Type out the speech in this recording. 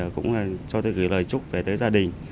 cũng cho tôi gửi lời chúc về tới gia đình